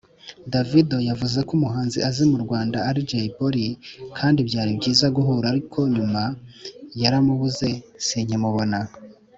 Davido yavuze ko umuhanzi azi mu Rwanda ari Jay Polly kandi byari byiza guhura ariko nyuma yaramubuze sinkimubona